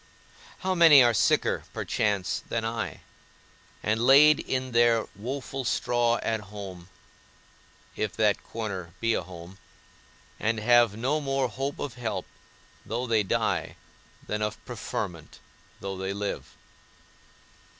How many are sicker (perchance) than I, and laid in their woful straw at home (if that corner be a home), and have no more hope of help, though they die, than of preferment, though they live!